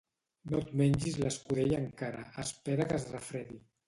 No et mengis l'escudella encara: espera que es refredi.